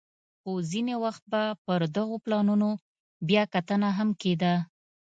خو ځیني وخت به پر دغو پلانونو بیا کتنه هم کېده